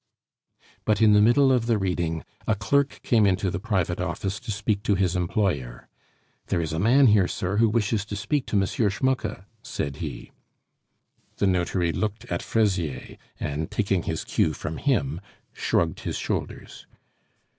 But in the middle of the reading a clerk came into the private office to speak to his employer. "There is a man here, sir, who wishes to speak to M. Schmucke," said he. The notary looked at Fraisier, and, taking his cue from him, shrugged his shoulders.